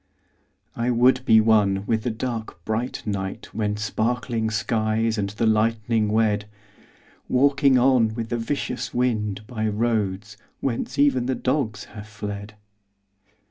I would be one with the dark bright night When sparkling skies and the lightning wed— Walking on with the vicious wind By roads whence even the dogs have fled.